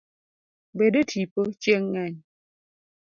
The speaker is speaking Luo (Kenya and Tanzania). Bed e tipo chieng' ng'eny